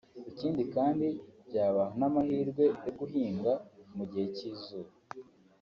ikindi kandi byabaha n’amahirwe yo guhinga mu gihe cy’izuba